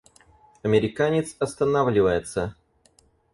Американец останавливается.